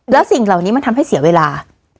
แล้วสิ่งเหล่านี้มันทำให้เสียเวลา